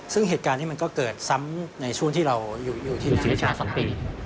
ซึ่งเหตุการณ์นี้มันก็เกิดซ้ำในช่วงที่เราอยู่ที่ศรีชา๒ปี